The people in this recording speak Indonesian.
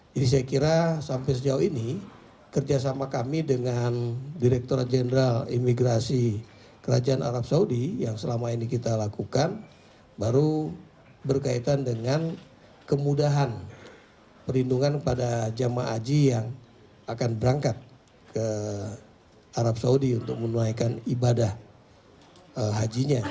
jadi saya kira sampai sejauh ini kerjasama kami dengan direktur general imigrasi kerajaan arab saudi yang selama ini kita lakukan baru berkaitan dengan kemudahan perlindungan pada jama' haji yang akan berangkat ke arab saudi untuk menunaikan ibadah hajinya